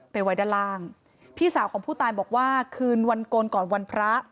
ไว้ด้านล่างพี่สาวของผู้ตายบอกว่าคืนวันโกนก่อนวันพระ